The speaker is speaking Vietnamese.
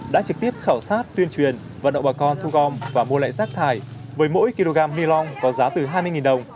đã trực tiếp khảo sát tuyên truyền và mua lại rác thải với mỗi kg ni lông có giá từ hai mươi đồng